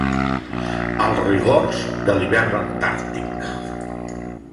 Els rigors de l'hivern antàrtic.